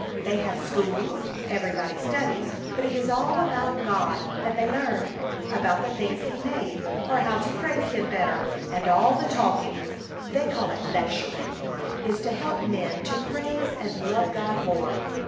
They have schools, — everybody studies, but it is all about God that they learn, — about the things He made, or how to praise Him better, and all the talk ing, — they call it lecturing, — is to help men to praise and love God more.